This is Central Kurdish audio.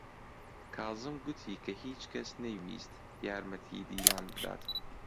کازم گوتی کە هیچ کەس نەیویست یارمەتیی دیلان بدات.